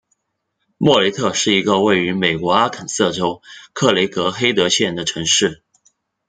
莫内特是一个位于美国阿肯色州克雷格黑德县的城市。